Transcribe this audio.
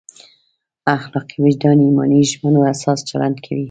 اخلاقي وجدان ایماني ژمنو اساس چلند کوي.